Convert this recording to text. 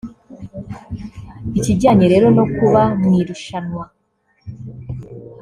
Ikijyanye rero no kuba mu irushanwa